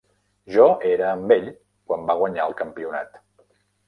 Jo era amb ell quan va guanyar el campionat.